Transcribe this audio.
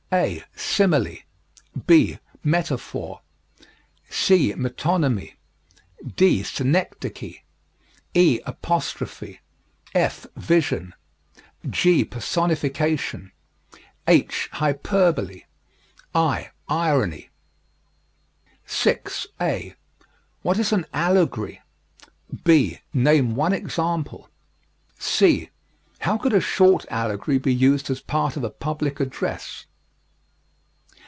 (a) simile; (b) metaphor; (c) metonymy; (d) synecdoche; (e) apostrophe; (f) vision; (g) personification; (h) hyperbole; (i) irony. 6. (a) What is an allegory? (b) Name one example. (c) How could a short allegory be used as part of a public address?